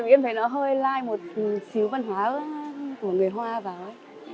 tự nhiên em thấy nó hơi like một xíu văn hóa của người hoa vào ấy